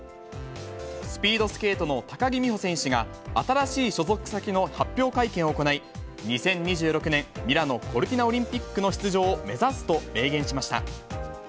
スピードスケートの高木美帆選手が、新しい所属先の発表会見を行い、２０２６年、ミラノ・コルティナオリンピックの出場を目指すと明言しました。